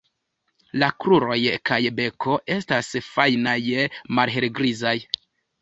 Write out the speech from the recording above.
La kruroj kaj beko estas fajnaj, malhelgrizaj.